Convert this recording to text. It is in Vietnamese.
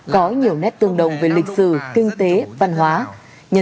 có nhiều nét tương đồng về lịch sử kinh tế văn hóa